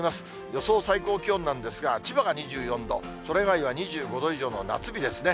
予想最高気温なんですが、千葉が２４度、それ以外は２５度以上の夏日ですね。